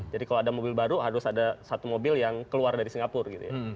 jadi kalau ada mobil baru harus ada satu mobil yang keluar dari singapura gitu ya